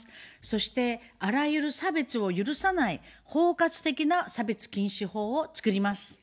そして、あらゆる差別を許さない、包括的な差別禁止法を作ります。